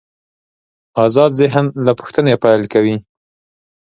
آزاد ذهن له پوښتنې پیل کوي.